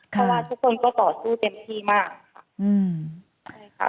เพราะว่าทุกคนก็ต่อสู้เต็มที่มากค่ะใช่ค่ะ